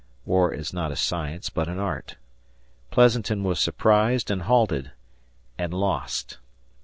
War is not a science, but an art. Pleasanton was surprised and halted and lost.